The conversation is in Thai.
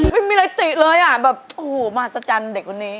ไม่มีอะไรติเลยอ่ะแบบโอ้โหมหัศจรรย์เด็กคนนี้